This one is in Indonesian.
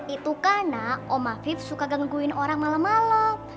itu karena om afif suka gangguin orang malam malam